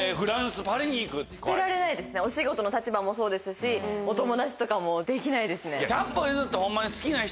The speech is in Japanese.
お仕事の立場もそうですしお友達とかもできないですね。